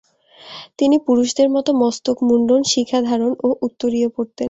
তিনি পুরুষদের মত মস্তক মুন্ডন, শিখা ধারণ ও উত্তরীয় পরতেন।